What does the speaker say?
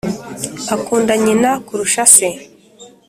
• akunda nyina kurusha se.